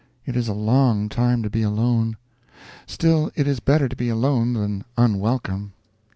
It is a long time to be alone; still, it is better to be alone than unwelcome.